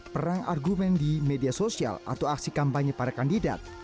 perang argumen di media sosial atau aksi kampanye para kandidat